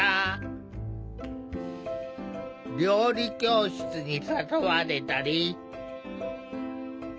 料理教室に誘われたり。